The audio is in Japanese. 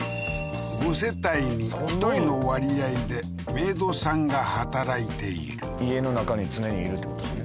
５世帯に１人の割合でメイドさんが働いている家の中に常にいるってことよね